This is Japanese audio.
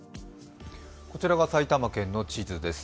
こちらが埼玉県の地図です。